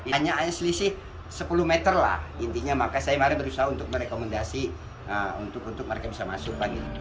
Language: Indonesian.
hanya selisih sepuluh meter lah intinya maka saya mari berusaha untuk merekomendasi untuk mereka bisa masuk lagi